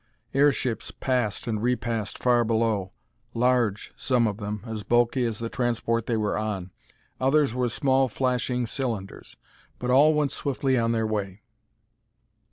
Airships passed and repassed far below. Large, some of them as bulky as the transport they were on; others were small flashing cylinders, but all went swiftly on their way.